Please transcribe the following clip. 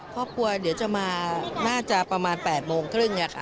ครอบครัวเดี๋ยวจะมาน่าจะประมาณ๘โมงครึ่ง